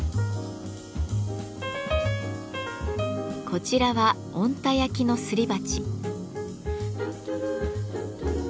こちらは小鹿田焼のすり鉢。